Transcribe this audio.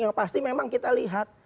yang pasti memang kita lihat